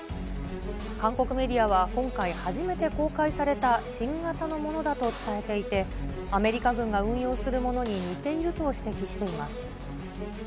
韓国メディアは、今回初めて公開された新型のものだと伝えていて、アメリカ軍が運用するものに似ていると指摘しています。